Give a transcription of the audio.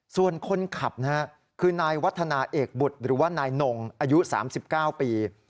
ส่วนคนขับคือนายวัฒนาเอกบุตรหรือว่านายนงอายุ๓๙ปี